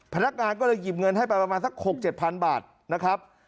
พนักงานก็เลยหยิบเงินให้ไปประมาณสัก๖๗พันบาทนะครับ